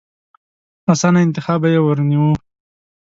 اسانه انتخاب به يې ورنيوه.